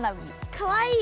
かわいい。